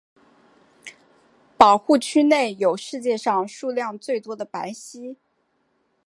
保护区内有世界上数量最多的白犀。